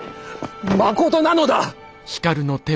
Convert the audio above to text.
まことなのだ！